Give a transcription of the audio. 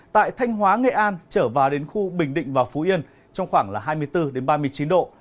tại thanh hóa nghệ an trở vào đến khu bình định và phú yên trong khoảng hai mươi bốn ba mươi chín độ